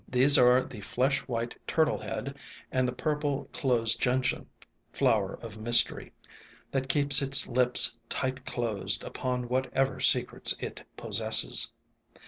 These are the flesh white Turtle Head and the purple Closed Gentian, flower of mystery, that keeps its lips tight closed upon whatever secrets it possesses.